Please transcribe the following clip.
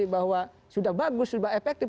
bahwa sudah bagus sudah efektif